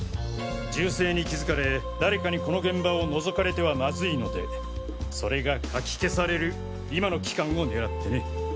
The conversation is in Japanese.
銃声に気づかれ誰かにこの現場を覗かれてはマズいのでそれがかき消される今の期間を狙ってね。